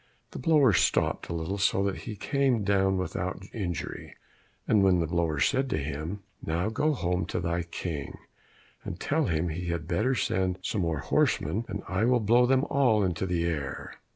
The blower stopped a little so that he came down without injury, and then the blower said to him, "Now go home to thy King, and tell him he had better send some more horsemen, and I will blow them all into the air."